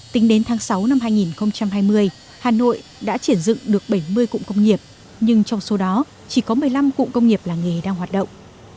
tính đến tháng sáu năm hai nghìn hai mươi hà nội đã triển dựng được bảy mươi cụm công nghiệp nhưng trong số đó chỉ có một mươi năm cụm công nghiệp làng nghề đang hoạt động